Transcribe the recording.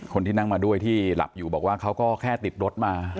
คนที่นั่งมาด้วยที่หลับอยู่บอกว่าเขาก็แค่ติดรถมา